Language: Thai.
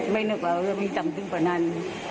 ไม่นึกว่าเรื่องนี้ต่ำถึงปันนั้น